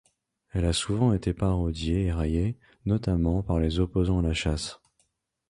Elle a souvent été parodiée et raillée, notamment par les opposants à la chasse.